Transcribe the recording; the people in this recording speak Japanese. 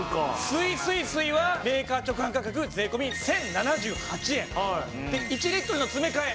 すいすい水はメーカー直販価格税込１０７８円。で１リットルの詰め替え